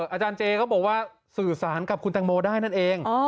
อาจารย์เจก็บอกว่าสื่อสารกับคุณแตงโมได้นั่นเอง